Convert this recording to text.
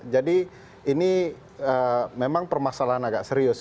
jadi ini memang permasalahan agak serius